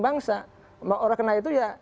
bangsa orang karena itu ya